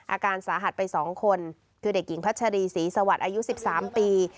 อาการสาหัสไป๒คนคือเด็กหญิงพัชรีศรีสวัสดิ์อายุ๑๓ปี